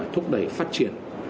thúc đẩy phát triển